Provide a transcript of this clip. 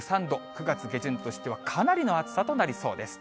９月下旬としてはかなりの暑さとなりそうです。